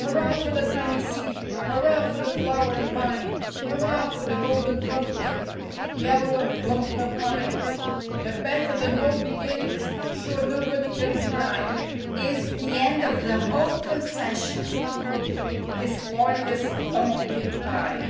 Hurrah for the tiny seed! Hurrah for the flower and vine! Hurrah for the golden pumpkin; Yellow and plump and fine! But better than all beginnings, Sure, nobody can deny, Is the end of the whole procession This glorious pumpkin pie!